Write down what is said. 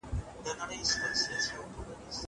زه امادګي نه نيسم.